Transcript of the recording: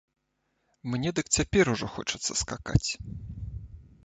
Мне дык цяпер ужо хочацца скакаць.